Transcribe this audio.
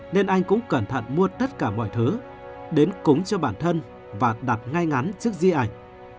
nên anh cũng cẩn thận mua tất cả mọi thứ đến cúng cho bản thân và đặt ngay ngắn trước di ảnh